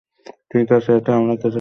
ঠিক আছে, এতে আমরা কিছুটা সময় পেয়েছি।